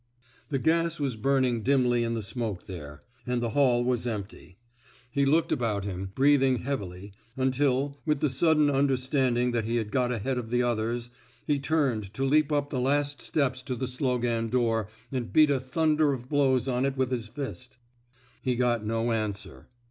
The gas was burning dimly in the smoke there; and the hall was empty. He looked about him, breathing heavily, until — with the sudden understanding that he had got ahead of the others — he turned to leap up the last steps to the Slogan door and beat a thunder of blows on it with his fist. He got no answer.